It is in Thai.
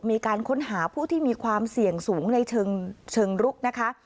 มีการค้นหาผู้ที่มีความเสี่ยงสูงในเชิงลุกนะคะ